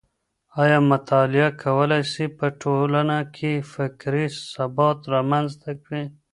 آيا مطالعه کولای سي په ټولنه کي فکري ثبات رامنځته کړي؟